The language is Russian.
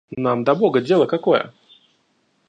Нам до бога дело какое?